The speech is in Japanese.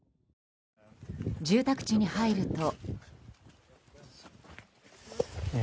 住宅地に入ると。